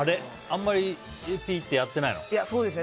あんまりピッとやってないの？